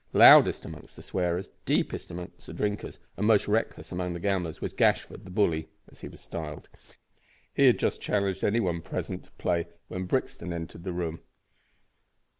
Loudest among the swearers, deepest among the drinkers, and most reckless among the gamblers was Gashford "the bully," as he was styled. He had just challenged any one present to play when Brixton entered the room.